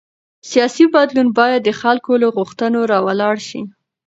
سیاسي بدلون باید د خلکو له غوښتنو راولاړ شي